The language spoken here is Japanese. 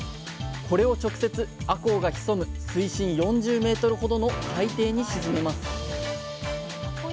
これを直接あこうが潜む水深４０メートルほどの海底に沈めます